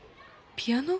ピアノ？